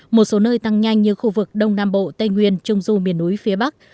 một số nơi tăng nhanh như khu vực đông nam bộ tây nguyên trung du miền núi phía bắc